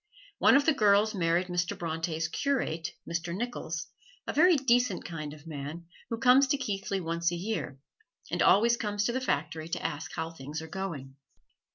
One of the girls married Mr. Bronte's curate, Mr. Nicholls, a very decent kind of man who comes to Keighley once a year, and always comes to the factory to ask how things are going.